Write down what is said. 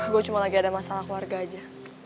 gue cuma lagi ada masalah keluarga aja